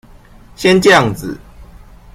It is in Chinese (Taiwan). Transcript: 先醬子